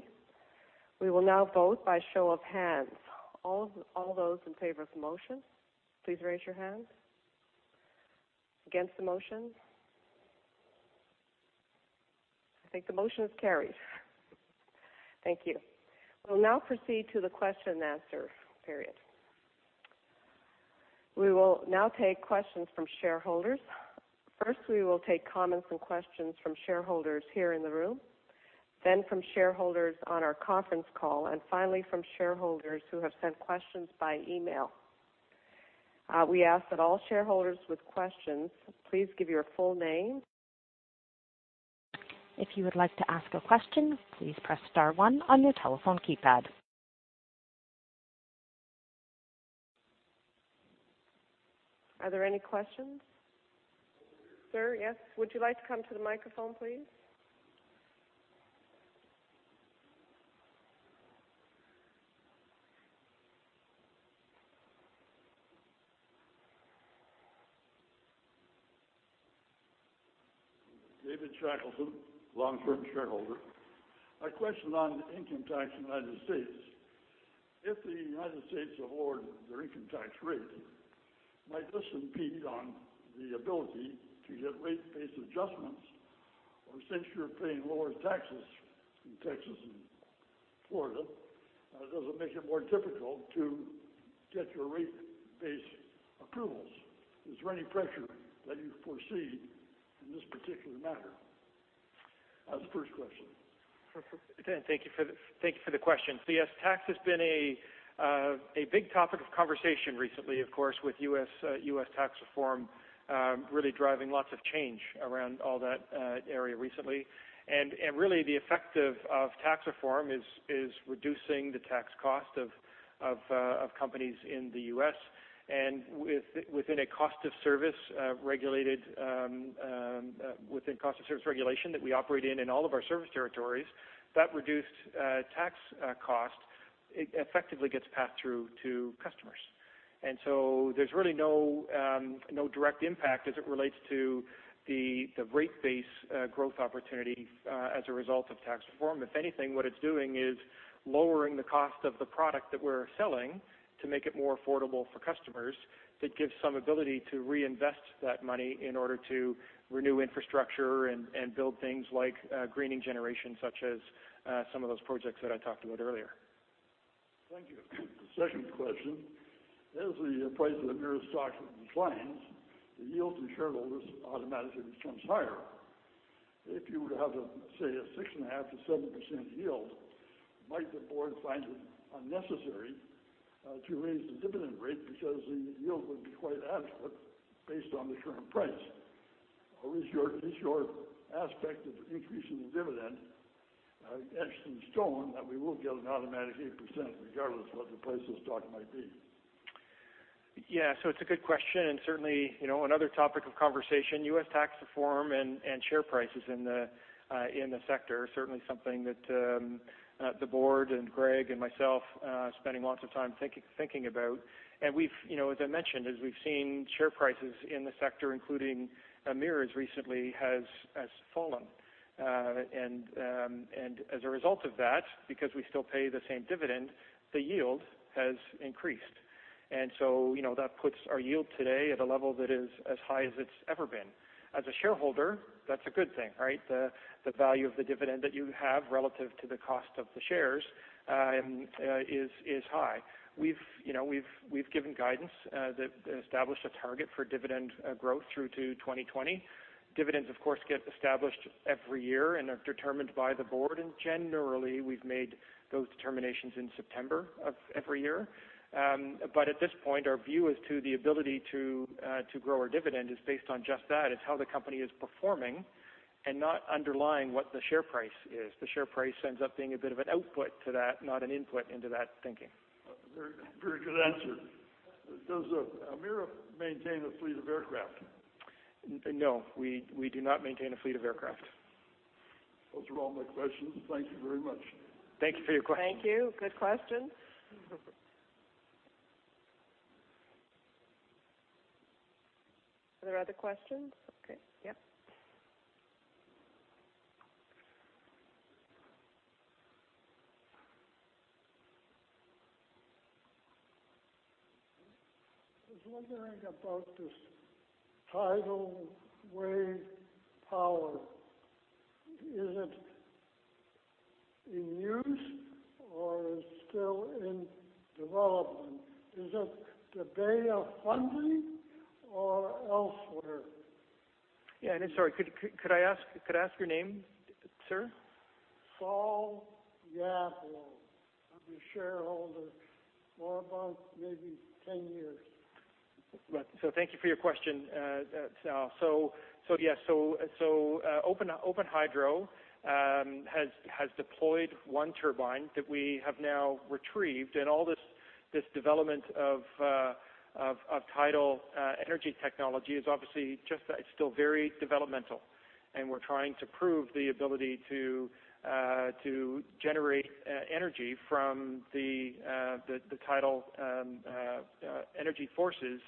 We will now vote by show of hands. All those in favor of the motion, please raise your hands. Against the motion? I think the motion is carried. Thank you. We'll now proceed to the question and answer period. We will now take questions from shareholders. First, we will take comments and questions from shareholders here in the room, then from shareholders on our conference call, and finally from shareholders who have sent questions by email. We ask that all shareholders with questions please give your full name. If you would like to ask a question, please press star one on your telephone keypad. Are there any questions? Sir, yes. Would you like to come to the microphone, please? David Shackleton, long-term shareholder. My question on income tax in the United States. If the United States lowered their income tax rate, might this impede on the ability to get rate-based adjustments? Or since you're paying lower taxes in Tampa and Florida, does it make it more difficult to get your rate base approvals? Is there any pressure that you foresee in this particular matter? That's the first question. Thank you for the question. Yes, tax has been a big topic of conversation recently, of course, with U.S. tax reform really driving lots of change around all that area recently. Really, the effect of tax reform is reducing the tax cost of companies in the U.S. and within cost of service regulation that we operate in all of our service territories. That reduced tax cost effectively gets passed through to customers. There's really no direct impact as it relates to the rate base growth opportunity as a result of tax reform. If anything, what it's doing is lowering the cost of the product that we're selling to make it more affordable for customers. That gives some ability to reinvest that money in order to renew infrastructure and build things like greening generation, such as some of those projects that I talked about earlier. Thank you. The second question. As the price of the Emera stock declines, the yield to shareholders automatically becomes higher. If you were to have, say, a 6.5%-7% yield, might the board find it unnecessary to raise the dividend rate because the yield would be quite adequate based on the current price? Or is your aspect of increasing the dividend etched in stone that we will get an automatic 8% regardless of what the price of the stock might be? Yeah. It's a good question, and certainly, another topic of conversation, U.S. tax reform and share prices in the sector, are certainly something that the board and Greg and myself spending lots of time thinking about. As I mentioned, as we've seen, share prices in the sector, including Emera's recently, has fallen. As a result of that, because we still pay the same dividend, the yield has increased. That puts our yield today at a level that is as high as it's ever been. As a shareholder, that's a good thing, right? The value of the dividend that you have relative to the cost of the shares is high. We've given guidance that established a target for dividend growth through to 2020. Dividends, of course, get established every year and are determined by the board. Generally, we've made those determinations in September of every year. At this point, our view as to the ability to grow our dividend is based on just that. It's how the company is performing and not underlying what the share price is. The share price ends up being a bit of an output to that, not an input into that thinking. Very good answer. Does Emera maintain a fleet of aircraft? No, we do not maintain a fleet of aircraft. Those are all my questions. Thank you very much. Thank you for your question. Thank you. Good question. Are there other questions? Okay. Yep. I was wondering about this tidal wave power. Is it in use or is it still in development? Is it the Bay of Fundy or elsewhere? Yeah, I'm sorry. Could I ask your name, sir? Sal Gablo. I've been a shareholder for about maybe 10 years. Right. Thank you for your question, Sal. Yes. OpenHydro has deployed one turbine that we have now retrieved, and all this development of tidal energy technology is obviously still very developmental, and we're trying to prove the ability to generate energy from the tidal energy forces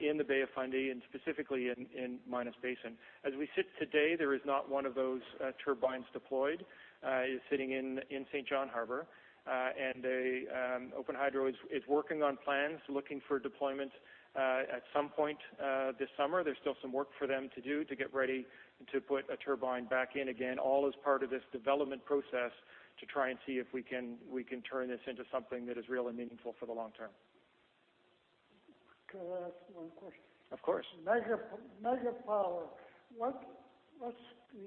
in the Bay of Fundy, and specifically in Minas Basin. As we sit today, there is not one of those turbines deployed. It is sitting in Saint John Harbour. OpenHydro is working on plans, looking for deployment at some point this summer. There's still some work for them to do to get ready to put a turbine back in again, all as part of this development process to try and see if we can turn this into something that is real and meaningful for the long term. Can I ask one question? Of course. What's the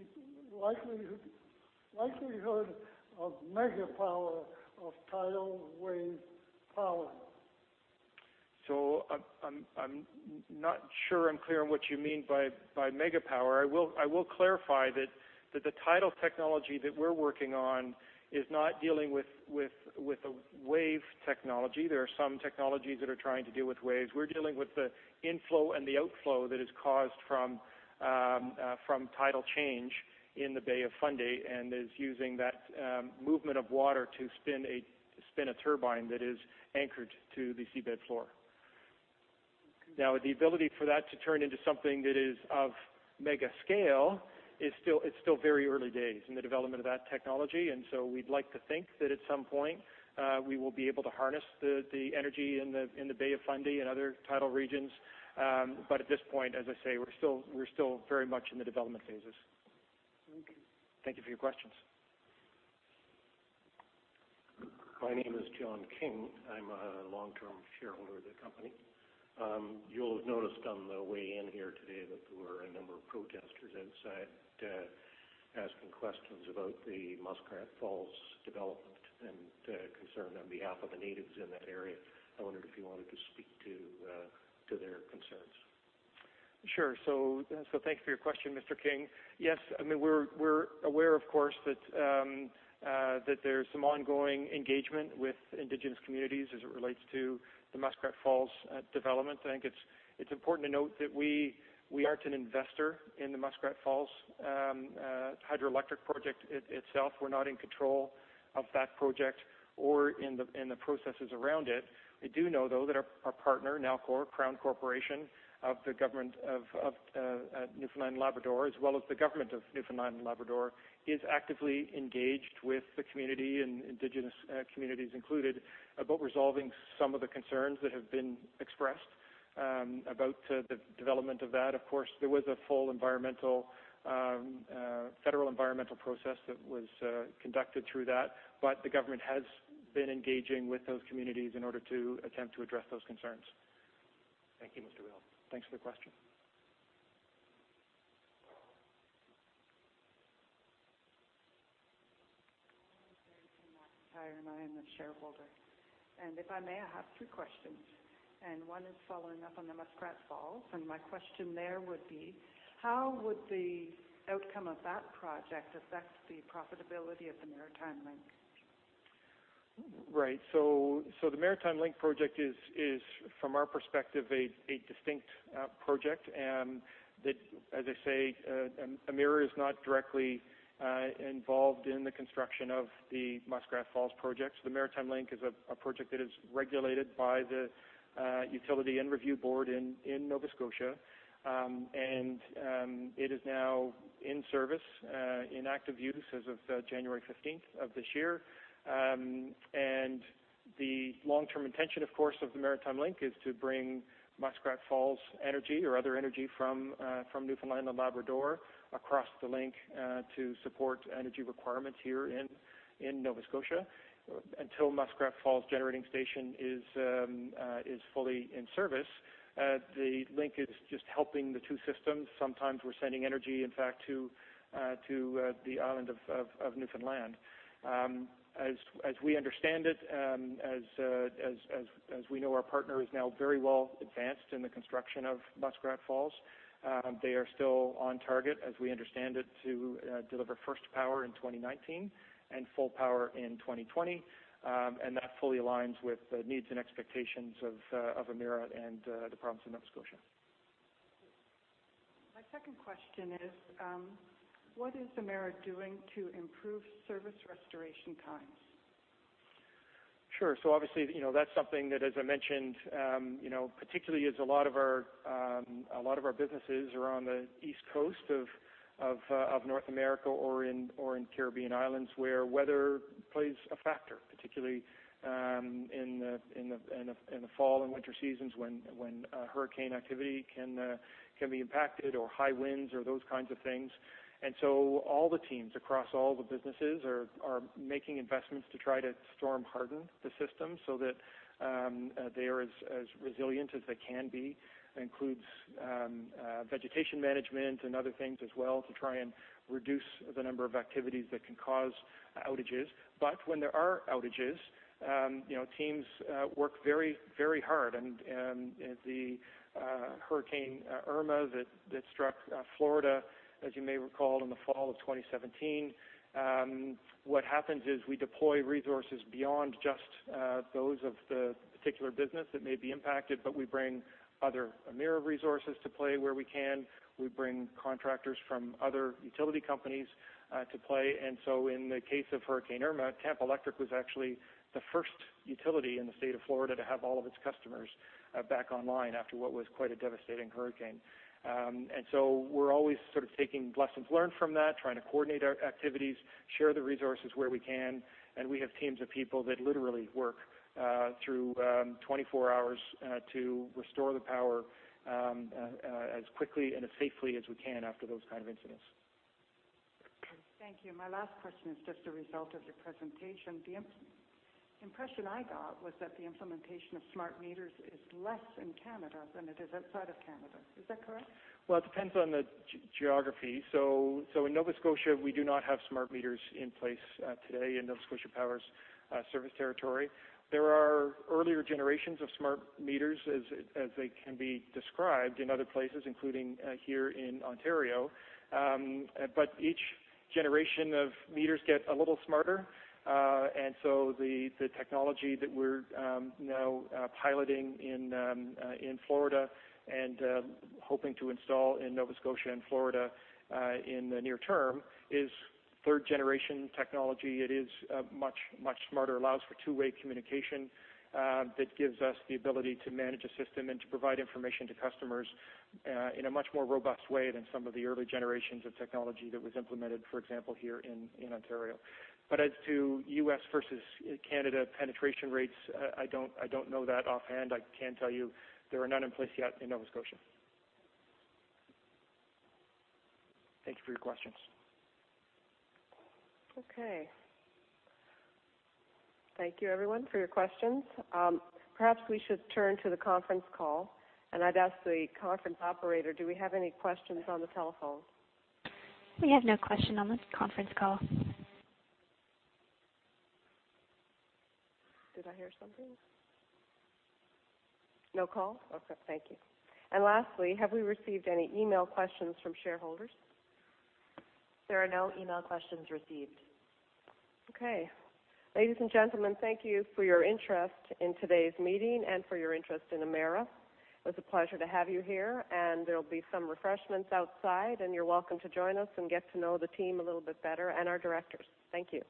likelihood of megapower of tidal wave power? I'm not sure I'm clear on what you mean by megapower. I will clarify that the tidal technology that we're working on is not dealing with a wave technology. There are some technologies that are trying to deal with waves. We're dealing with the inflow and the outflow that is caused from tidal change in the Bay of Fundy and is using that movement of water to spin a turbine that is anchored to the seabed floor. Now, the ability for that to turn into something that is of mega scale, it's still very early days in the development of that technology. We'd like to think that at some point, we will be able to harness the energy in the Bay of Fundy and other tidal regions. At this point, as I say, we're still very much in the development phases. Thank you. Thank you for your questions. My name is John King. I'm a long-term shareholder of the company. You'll have noticed on the way in here today that there were a number of protesters outside asking questions about the Muskrat Falls development and concerned on behalf of the natives in that area. I wondered if you wanted to speak to their concerns. Sure. Thanks for your question, Mr. King. Yes, we're aware, of course, that there's some ongoing engagement with Indigenous communities as it relates to the Muskrat Falls development. I think it's important to note that we aren't an investor in the Muskrat Falls hydroelectric project itself. We're not in control of that project or in the processes around it. We do know, though, that our partner, Nalcor, Crown corporation of the government of Newfoundland and Labrador, as well as the government of Newfoundland and Labrador, is actively engaged with the community, and Indigenous communities included, about resolving some of the concerns that have been expressed about the development of that. Of course, there was a full federal environmental process that was conducted through that, but the government has been engaging with those communities in order to attempt to address those concerns. Thank you, Mr. Weil. Thanks for the question. Mary Jane McIntyre, and I am a shareholder. If I may, I have two questions, and one is following up on the Muskrat Falls. My question there would be: how would the outcome of that project affect the profitability of the Maritime Link? Right. The Maritime Link project is, from our perspective, a distinct project. As I say, Emera is not directly involved in the construction of the Muskrat Falls project. The Maritime Link is a project that is regulated by the Utility and Review Board in Nova Scotia. It is now in service, in active use as of January 15th of this year. The long-term intention, of course, of the Maritime Link is to bring Muskrat Falls energy or other energy from Newfoundland and Labrador across the link, to support energy requirements here in Nova Scotia. Until Muskrat Falls Generating Station is fully in service, the link is just helping the two systems. Sometimes we're sending energy, in fact, to the island of Newfoundland. As we understand it, as we know, our partner is now very well advanced in the construction of Muskrat Falls. They are still on target, as we understand it, to deliver first power in 2019 and full power in 2020, and that fully aligns with the needs and expectations of Emera and the province of Nova Scotia. My second question is, what is Emera doing to improve service restoration times? Sure. Obviously, that's something that, as I mentioned, particularly as a lot of our businesses are on the East Coast of North America or in Caribbean islands, where weather plays a factor, particularly in the fall and winter seasons when hurricane activity can be impacted or high winds or those kinds of things. All the teams across all the businesses are making investments to try to storm-harden the system so that they are as resilient as they can be. That includes vegetation management and other things as well to try and reduce the number of activities that can cause outages. When there are outages, teams work very hard. The Hurricane Irma that struck Florida, as you may recall, in the fall of 2017, what happens is we deploy resources beyond just those of the particular business that may be impacted, but we bring other Emera resources to play where we can. We bring contractors from other utility companies to play. In the case of Hurricane Irma, Tampa Electric was actually the first utility in the state of Florida to have all of its customers back online after what was quite a devastating hurricane. We're always sort of taking lessons learned from that, trying to coordinate our activities, share the resources where we can, and we have teams of people that literally work through 24 hours to restore the power as quickly and as safely as we can after those kind of incidents. Thank you. My last question is just a result of your presentation. The impression I got was that the implementation of smart meters is less in Canada than it is outside of Canada. Is that correct? Well, it depends on the geography. In Nova Scotia, we do not have smart meters in place today in Nova Scotia Power's service territory. There are earlier generations of smart meters, as they can be described, in other places, including here in Ontario. Each generation of meters get a little smarter. The technology that we're now piloting in Florida and hoping to install in Nova Scotia and Florida in the near term is third-generation technology. It is much smarter, allows for two-way communication that gives us the ability to manage a system and to provide information to customers in a much more robust way than some of the early generations of technology that was implemented, for example, here in Ontario. As to U.S. versus Canada penetration rates, I don't know that offhand. I can tell you they are not in place yet in Nova Scotia. Thank you for your questions. Okay. Thank you, everyone, for your questions. Perhaps we should turn to the conference call, and I'd ask the conference operator, do we have any questions on the telephone? We have no questions on this conference call. Did I hear something? No call? Okay, thank you. Lastly, have we received any email questions from shareholders? There are no email questions received. Okay. Ladies and gentlemen, thank you for your interest in today's meeting and for your interest in Emera. It was a pleasure to have you here, and there will be some refreshments outside, and you're welcome to join us and get to know the team a little bit better and our directors. Thank you.